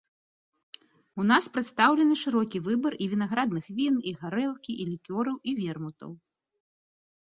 У нас прадстаўлены шырокі выбар і вінаградных він, і гарэлкі, і лікёраў, і вермутаў.